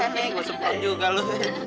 nih gue sempat juga lu